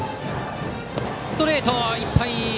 ストレート、いっぱい。